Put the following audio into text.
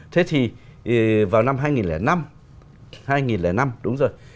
thế thì vào năm hai nghìn năm hai nghìn năm đúng rồi